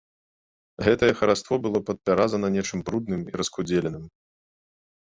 Гэтае хараство было падпяразана нечым брудным і раскудзеленым.